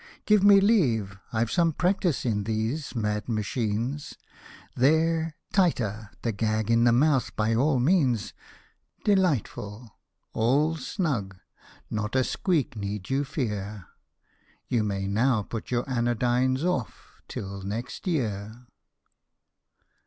Give me leave — I've some practice in these mad machines ; There — tighter — the gag in the mouth, by all means. DeHghtful !— all's snug — not a squeak need you fear, — You may now put your anodynes off till next year.